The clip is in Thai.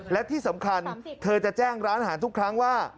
และที่สำคัญเธอจะแจ้งร้านอาหารทุกครั้งว่า